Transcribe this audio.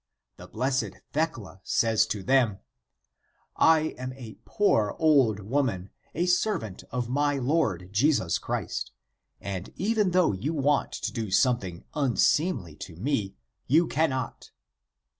The blessed Thecla says to them :' I am a poor old woman, a servant of my Lord Jesus Christ ; and even though you want to do something unseemly to me, you cannot.'